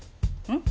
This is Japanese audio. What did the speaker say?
うん？